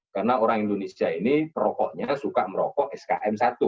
karena orang indonesia ini perokoknya suka merokok skm satu